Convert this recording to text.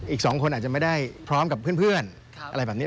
อีก๒คนอาจจะไม่ได้พร้อมกับเพื่อนอะไรแบบนี้